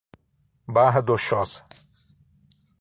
Barra do Choça